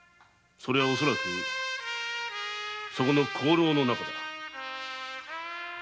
それは恐らくその香炉の中だ。